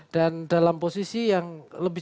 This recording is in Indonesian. dan dalam posisi yang lebih